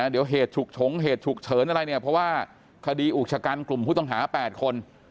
เดี๋ยวเหตุฉุกฉงเหตุฉุกเฉินอะไรเนี่ยเพราะว่าคดีอุกชะกันกลุ่มผู้ต้องหา๘คน